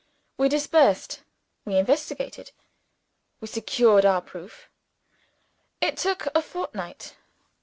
We disbursed; we investigated; we secured our proof. It took a fortnight.